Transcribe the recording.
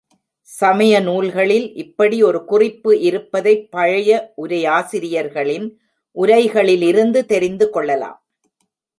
சமய நூல்களில் இப்படி ஒரு குறிப்பு இருப்பதைப் பழைய உரையாசிரியர்களின் உரைகளிலிருந்து தெரிந்து கொள்ளலாம்.